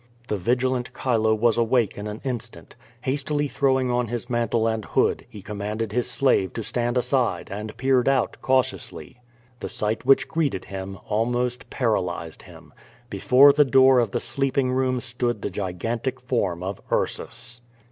The vigilant Chilo was awake in an instant. Hastily throw ing on his mantle and hood, he commanded his slave to stand aside and ]ieered out cautiously. The sight which greeted liim 1^8 QIJO VADIS. almost paralyzed him. Before the door of the sleeping room stood the gigantic form of Ursus.